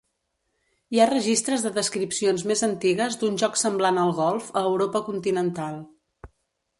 Hi ha registres de descripcions més antigues d'un joc semblant al golf a Europa continental.